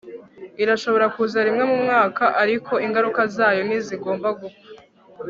irashobora kuza rimwe mu mwaka, ariko ingaruka zayo ntizigomba gupfa